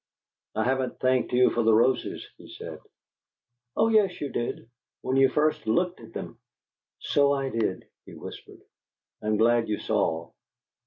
"I haven't thanked you for the roses," he said. "Oh yes, you did. When you first looked at them!" "So I did," he whispered. "I'm glad you saw.